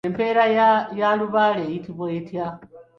Empeera ya Lubaale eyitibwa etya?